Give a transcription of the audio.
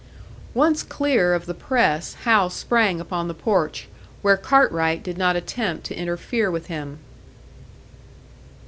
Once clear of the press, Hal sprang upon the porch, where Cartwright did not attempt to interfere with him.